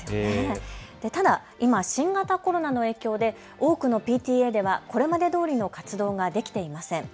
ただ新型コロナの影響で多くのＰＴＡではこれまでどおりの活動ができていません。